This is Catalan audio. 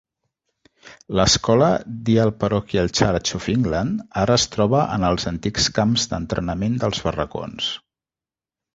L'escola Deal Parochial Church of England ara es troba en els antics camps d'entrenament dels barracons.